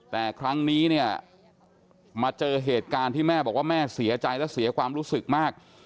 แต่ครั้งนี้เนี่ยมาเจอเหตุการณ์ที่แม่บอกว่าแม่เสียใจและเสียความรู้สึกมาก